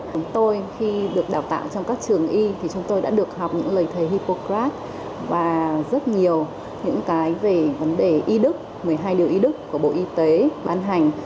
chúng tôi khi được đào tạo trong các trường y thì chúng tôi đã được học những lời thầy hipocrac và rất nhiều những cái về vấn đề y đức một mươi hai điều y đức của bộ y tế ban hành